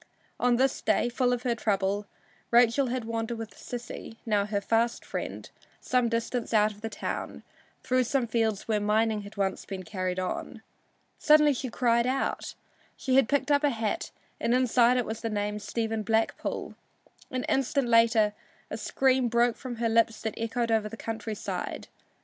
On this day, full of her trouble, Rachel had wandered with Sissy, now her fast friend, some distance out of the town, through some fields where mining had once been carried on. Suddenly she cried out she had picked up a hat and inside it was the name "Stephen Blackpool." An instant later a scream broke from her lips that echoed over the country side.